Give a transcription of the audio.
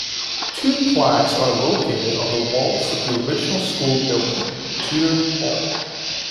Two plaques are located on the walls of the original school building, Tudor Hall.